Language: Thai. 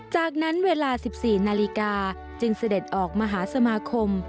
จากนั้นเวลา๑๔นาฬิกาจึงเสด็จออกมหาสมาคม